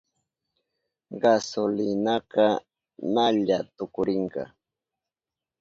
Gasolinaka ñalla tukurinka.